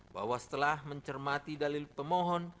bahwa setelah mencermati dalil pemohon